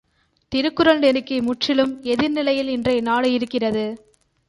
திருக்குறள் நெறிக்கு முற்றிலும் எதிர்நிலையில் இன்றைய நாடு இருக்கிறது.